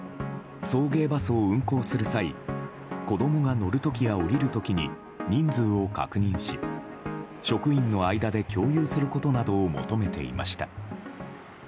送迎バスを運行する際子供が乗る時や降りる時に人数を確認し職員の間で共有することなどを求めていました。